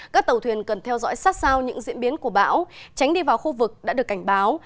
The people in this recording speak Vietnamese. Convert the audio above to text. các tàu thuyền cần theo dõi sát sao những diễn biến của bão tránh đi vào khu vực đã được cảnh báo